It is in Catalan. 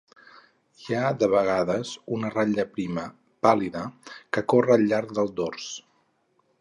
Hi ha de vegades una ratlla prima, pàl·lida, que corre al llarg del dors.